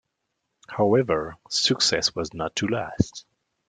However, success was not to last.